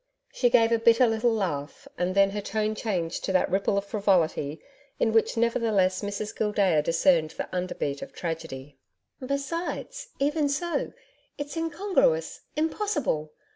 She gave a bitter little laugh, and then her tone changed to that ripple of frivolity in which nevertheless Mrs Gildea discerned the under beat of tragedy. 'Besides, even so, it's incongruous impossible.